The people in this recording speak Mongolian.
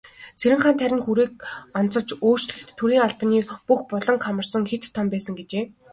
Цэрэнханд харин хүрээг онцолж, "өөрчлөлт төрийн албаны бүх буланг хамарсан хэт том байсан" гэжээ.